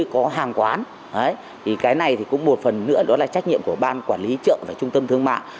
thì cái này cũng một phần nữa đó là trách nhiệm của ban quản lý chợ và trung tâm thương mại